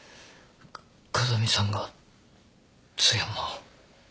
風見さんが津山を？